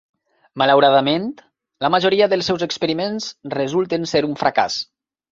Malauradament, la majoria dels seus experiments resulten ser un fracàs.